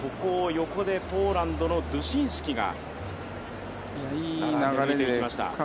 ポーランドのドゥシンスキが見てきました。